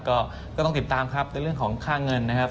ก็ต้องติดตามครับในเรื่องของค่าเงินนะครับ